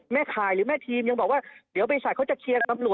ข่ายหรือแม่ทีมยังบอกว่าเดี๋ยวบริษัทเขาจะเคลียร์กับตำรวจ